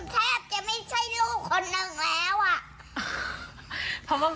แทบจะไม่ใช่ลูกคนหนึ่งแล้วอ่ะ